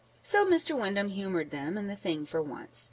So Mr. Windham humoured them in the thing for once.